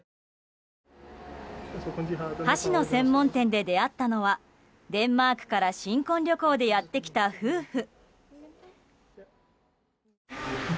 箸の専門店で出会ったのはデンマークから新婚旅行でやって来た夫婦。